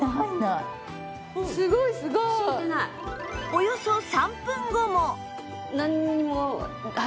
およそ３分後も